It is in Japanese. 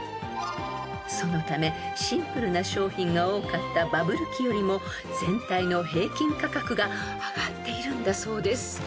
［そのためシンプルな商品が多かったバブル期よりも全体の平均価格が上がっているんだそうです］